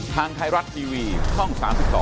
ทางไทยรัฐทีวีช่อง๓๒